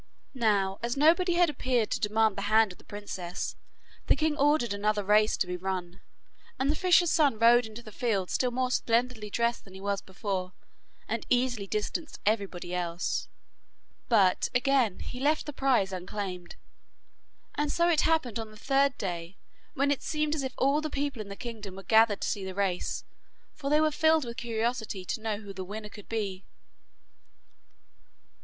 Now as nobody had appeared to demand the hand of the princess, the king ordered another race to be run, and the fisher's son rode into the field still more splendidly dressed than he was before, and easily distanced everybody else. But again he left the prize unclaimed, and so it happened on the third day, when it seemed as if all the people in the kingdom were gathered to see the race, for they were filled with curiosity to know who the winner could be.